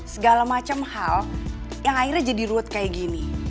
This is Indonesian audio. segala macam hal yang akhirnya jadi ruwet kayak gini